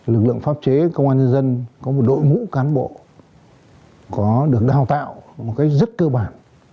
lực lượng pháp chế công an nhân dân có một đội ngũ cán bộ có được đào tạo một cách rất cơ bản